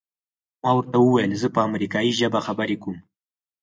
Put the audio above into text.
ما ورته وویل زه په امریکایي ژبه خبرې کوم.